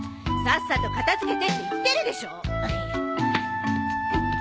さっさと片付けてって言ってるでしょ！